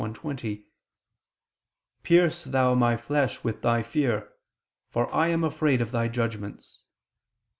118:120: "Pierce Thou my flesh with Thy fear: for I am afraid of Thy judgments."